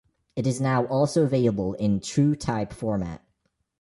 It is now also available in TrueType format.